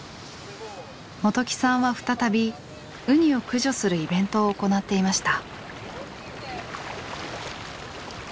元起さんは再びウニを駆除するイベントを行っていました。